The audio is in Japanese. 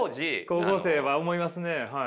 高校生は思いますねはい。